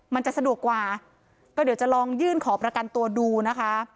มันจะสะดวกกว่าก็เดี๋ยวจะลองยื่นขอประกันตัวดูนะคะ